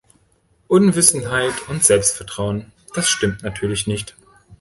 Unwissenheit und Selbstvertrauen." Das stimmt natürlich nicht.